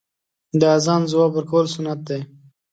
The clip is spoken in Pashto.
د اذان ځواب ورکول سنت دی .